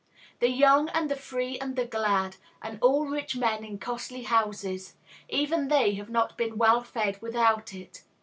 The young and the free and the glad, and all rich men in costly houses, even they have not been well fed without it.